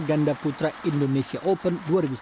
ganda putra indonesia open dua ribu sembilan belas